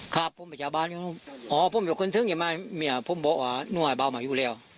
ครับผมไปจากบ้านอยู่นู้นอ๋อผมอยู่คนซึ้งอย่างมายเมียผมบอกว่านั่งไอ้เบามาอยู่แล้ว